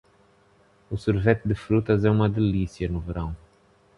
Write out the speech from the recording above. O sorvete de frutas é uma delícia no verão.